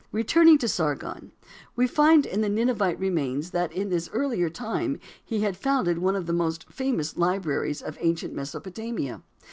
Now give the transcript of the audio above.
Returning to Sargon, we find in the Ninevite remains that in this earlier time he had founded one of the most famous libraries of ancient Mesopotamia.